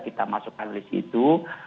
kita masukkan di situ